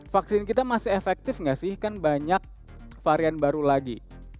vaksin kita masih efektif nggak sih kan banyak varian baru lagi